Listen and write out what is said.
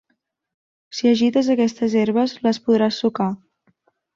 Si agites aquestes herbes les podràs sucar.